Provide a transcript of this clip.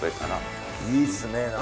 いいっすね何か。